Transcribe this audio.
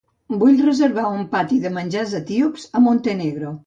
Vull reservar un pati de menjars etíops a Montenegro.